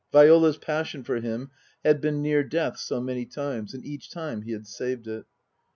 Viola's passion for him had been near death so many times, and each time he had saved it.